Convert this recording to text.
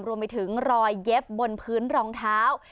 รวมไปถึงรอยเย็บบนพื้นรองเท้า